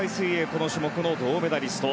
この種目の銅メダリスト。